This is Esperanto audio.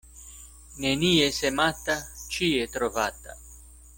Nenie semata, ĉie trovata.